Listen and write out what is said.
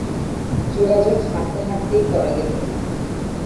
যোগাযোগ হাঁটতে হাঁটতেই করা গেল।